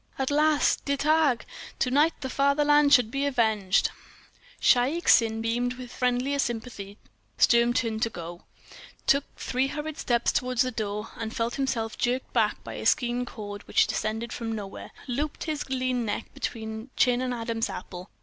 "At last—der Tag! To night the Fatherland shall be avenged!" Shaik Tsin beamed with friendliest sympathy Sturm turned to go, took three hurried steps toward the door, and felt himself jerked back by a silken cord which, descending from nowhere, looped his lean neck between chin and Adam's apple.